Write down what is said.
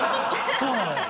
そうなのよ。